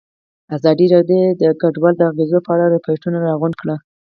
ازادي راډیو د کډوال د اغېزو په اړه ریپوټونه راغونډ کړي.